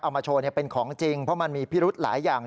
เอามาโชว์เป็นของจริงเพราะมันมีพิรุธหลายอย่าง